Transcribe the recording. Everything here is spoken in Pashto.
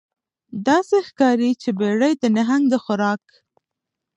داسې ښکاري چې بیړۍ د نهنګ د خوراک